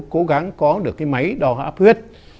cố gắng có được cái máy đo hạ áp huyết